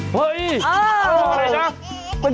เฮ้ยเอาอะไรนะ